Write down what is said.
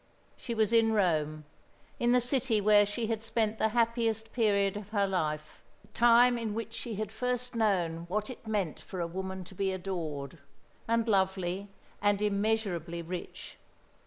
She was in Rome, in the city where she had spent the happiest period of her life the time in which she had first known what it meant for a woman to be adored, and lovely, and immeasurably rich.